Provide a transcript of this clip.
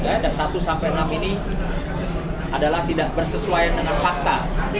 ada satu sampai enam ini adalah tidak bersesuaian dengan fakta